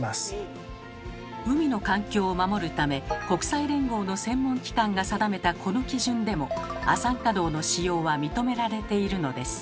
海の環境を守るため国際連合の専門機関が定めたこの基準でも亜酸化銅の使用は認められているのです。